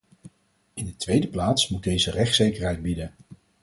In de tweede plaats moet deze rechtszekerheid bieden.